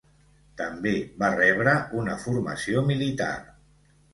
També va rebre una formació militar.